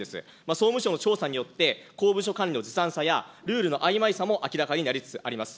総務省の調査によって、公文書管理のずさんさや、ルールのあいまいさも明らかになりつつあります。